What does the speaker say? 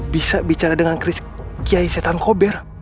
bisa bicara dengan kiai setan kober